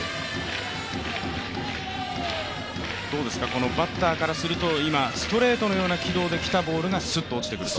このバッターからすると、今、ストレートのような軌道できたボールがすっと落ちてくると。